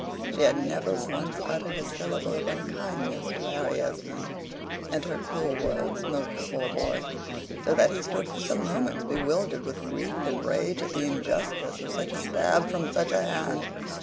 She had never once uttered a syllable of unkindness to Harry Esmond; and her cruel words smote the poor boy, so that he stood for some moments bewildered with grief and rage at the injustice of such a stab from such a hand.